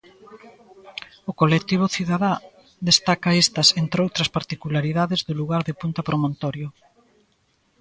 O colectivo cidadá destaca estas, entre outras particularidades do lugar de punta Promontorio.